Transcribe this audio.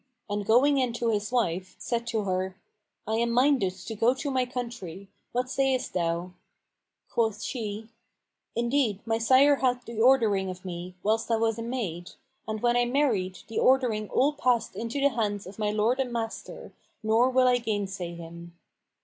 and going in to his wife, said to her, "I am minded to go to my country: what sayst thou?" Quoth she, "Indeed, my sire had the ordering of me, whilst I was a maid, and when I married, the ordering all passed into the hands of my lord and master, nor will I gainsay him."